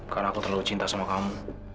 karena aku terlalu cinta sama kamu